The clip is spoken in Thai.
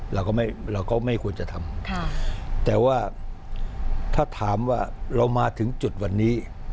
เราก็ไม่เราก็ไม่ควรจะทำแต่ว่าถ้าถามว่าเรามาถึงจุดวันนี้